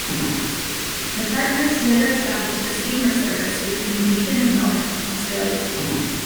The partners later established a steamer service between Dunedin and Melbourne, Australia.